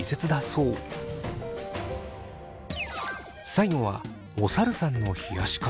最後はおさるさんの冷やし方。